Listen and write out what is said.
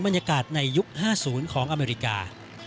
บรรยากาศในยุคห้าศูนย์ของอเมริกา